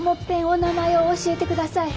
お名前う教えてください。